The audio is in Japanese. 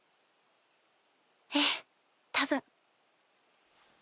ええ多分。